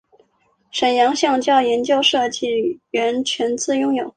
沈阳橡胶研究设计院全资拥有。